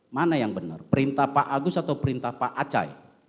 mana yang benar perintah pak agus atau perintah pak acai